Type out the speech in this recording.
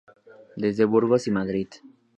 Desde Burgos y Madrid.